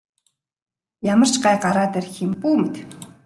Ямар ч гай гараад ирэх юм бүү мэд.